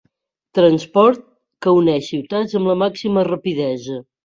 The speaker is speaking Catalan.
Transport que uneix ciutats amb la màxima rapidesa.